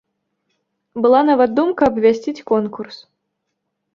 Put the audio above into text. Была нават думка абвясціць конкурс.